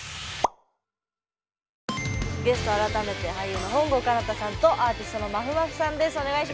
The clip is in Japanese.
ゲストは改めて俳優の本郷奏多さんとアーティストのまふまふさんです。